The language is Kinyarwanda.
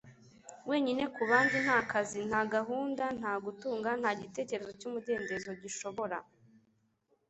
wenyine ku bandi. nta kazi, nta gahunda, nta gutunga, nta gitekerezo cy 'umudendezo gishobora